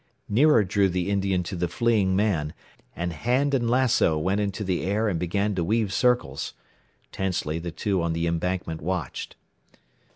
Nearer drew the Indian to the fleeing man, and hand and lassoo went into the air and began to weave circles. Tensely the two on the embankment watched.